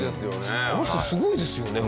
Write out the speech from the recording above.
あの人すごいですよね